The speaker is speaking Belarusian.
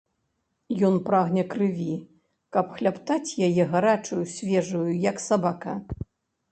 Ён прагне крыві, каб хлябтаць яе гарачую, свежую, як сабака.